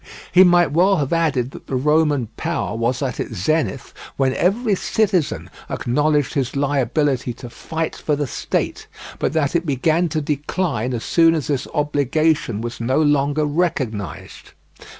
He might well have added that the Roman power was at its zenith when every citizen acknowledged his liability to fight for the State, but that it began to decline as soon as this obligation was no longer recognised."